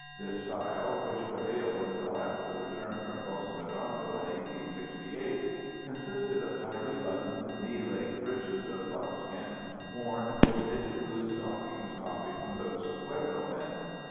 This style, which prevailed until after the return from Bosque Redondo in 1868, consisted of tightly buttoned knee length breeches of buckskin, worn with knitted blue stockings copied from those of Pueblo men.